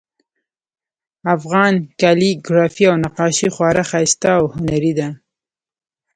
افغان کالیګرافي او نقاشي خورا ښایسته او هنري ده